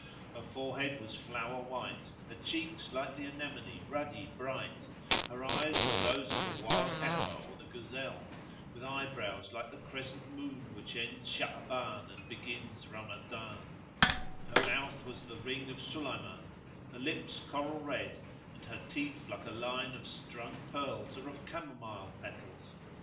Her forehead was flower white; her cheeks like the anemone ruddy bright; her eyes were those of the wild heifer or the gazelle, with eyebrows like the crescent moon which ends Sha'aban and begins Ramazan;[FN#144] her mouth was the ring of Sulayman,[FN#145] her lips coral red, and her teeth like a line of strung pearls or of camomile petals.